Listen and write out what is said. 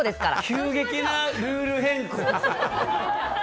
急激なルール変更。